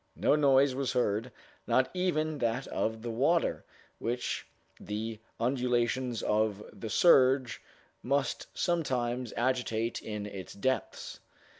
No noise was heard, not even that of the water, which the undulations of the surge must sometimes agitate in its depths.